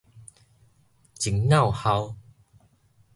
一耦鱟